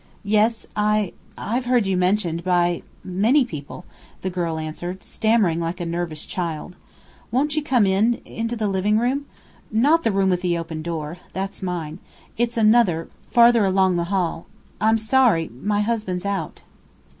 "Yes, I I've heard you mentioned by many people," the girl answered, stammering like a nervous child. "Won't you come in into the living room? Not the room with the open door. That's mine. It's another, farther along the hall. I'm sorry my husband's out."